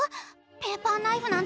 ペーパーナイフなんて。